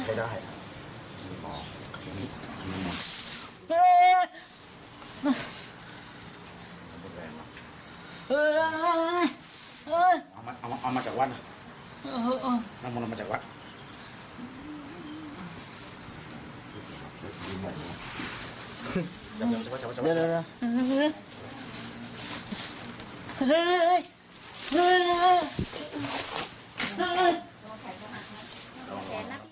ชิ้น